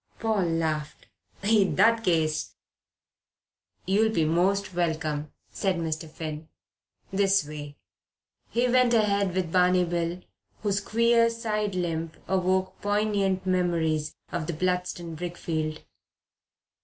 Paul laughed. "In that case " "You'll be most welcome," said Mr. Finn. "This way." He went ahead with Barney Bill, whose queer side limp awoke poignant memories of the Bludston brickfield.